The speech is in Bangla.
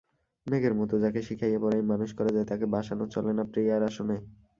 মেয়ের মতো যাকে শিখাইয়া পড়াইয়া মানুষ করা যায় তাকে বসানো চলে না প্রিয়ার আসনে?